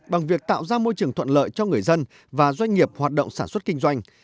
bằng việc tạo ra môi trường thuận lợi cho người dân và doanh nghiệp hoạt động sản xuất kinh doanh